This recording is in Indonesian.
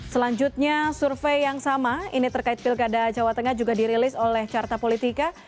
selanjutnya survei yang sama ini terkait pilkada jawa tengah juga dirilis oleh carta politika